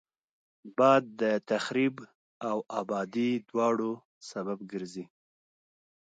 باد د تخریب او آبادي دواړو سبب ګرځي